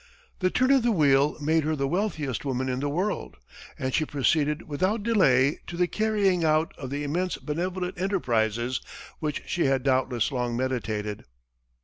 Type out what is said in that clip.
The turn of the wheel made her the wealthiest woman in the world, and she proceeded without delay to the carrying out of the immense benevolent enterprises which she had doubtless long meditated.